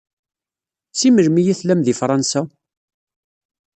Seg melmi i tellam deg Fransa?